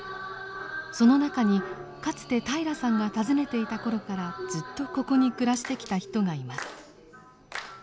その中にかつて平良さんが訪ねていた頃からずっとここに暮らしてきた人がいます。